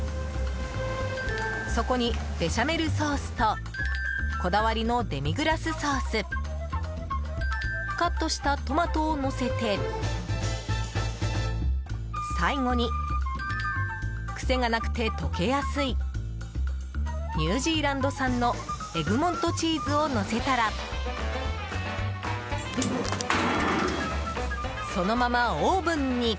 そこにベシャメルソースとこだわりのデミグラスソースカットしたトマトをのせて最後に、癖がなくて溶けやすいニュージーランド産のエグモントチーズをのせたらそのまま、オーブンに。